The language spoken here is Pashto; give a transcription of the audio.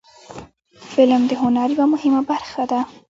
فلم د هنر یوه مهمه برخه ده